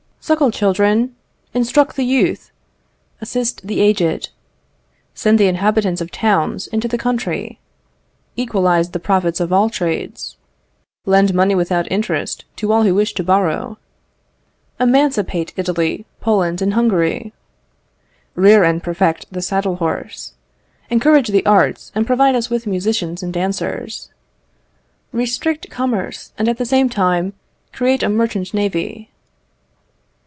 "Suckle children. "Instruct the youth. "Assist the aged. "Send the inhabitants of towns into the country. "Equalize the profits of all trades. "Lend money without interest to all who wish to borrow." "Emancipate Italy, Poland, and Hungary." "Rear and perfect the saddle horse." "Encourage the arts, and provide us with musicians and dancers." "Restrict commerce, and at the same time create a merchant navy."